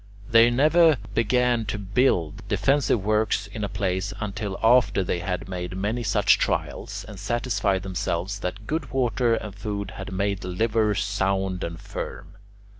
They never began to build defensive works in a place until after they had made many such trials and satisfied themselves that good water and food had made the liver sound and firm.